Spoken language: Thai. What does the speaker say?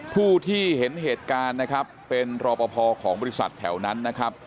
ผู้ที่เห็นเหตุการณ์นะครับเป็นรอปภของบริษัทแถวนั้นนะครับ